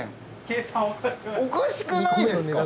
計算おかしくないですか？